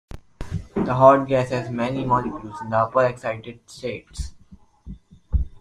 The hot gas has many molecules in the upper excited states.